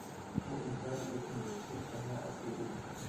ئۇ ئىنتايىن ئېچىنىشلىق بىر سەھنە ئەسىرى ئىدى.